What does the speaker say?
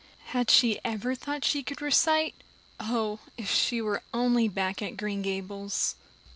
Had she ever thought she could recite? Oh, if she were only back at Green Gables!